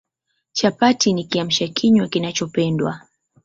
Chapati ni Kiamsha kinywa kinachopendwa